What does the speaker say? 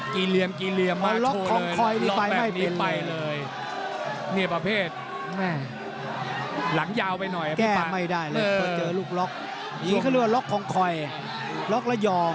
อเจมส์กีเรียมมากโทรเลยล็อกแบบนี้ไปเลยเนี่ยประเภทหลังยาวไปหน่อยอะพี่ปั้นอเจมส์แก้ไม่ได้เลยเพราะเจอลูกล็อกนี่เขาเรียกว่าล็อกคองคอยล็อกระยอง